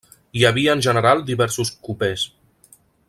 Hi havia en general diversos copers.